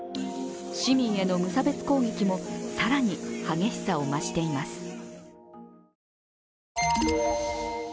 市民への無差別攻撃も更に激しさを増しています。